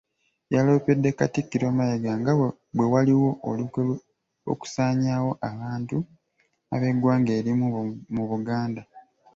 Yaloopedde Katikkiro Mayiga nga bwe waliwo olukwe okusanyaawo abantu ab’eggwanga erimu mu Buganda